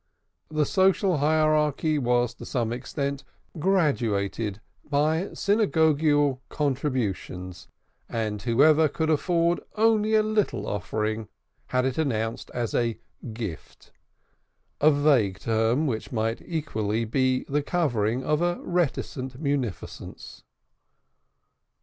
The social hierarchy was to some extent graduated by synagogal contributions, and whoever could afford only a little offering had it announced as a "gift" a vague term which might equally be the covering of a reticent munificence.